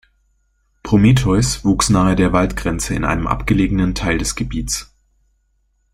Prometheus wuchs nahe der Waldgrenze in einem abgelegenen Teil des Gebiets.